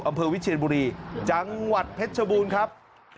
อำเภอวิเชียนบุรีจังหวัดเพชรชบูรณ์ครับ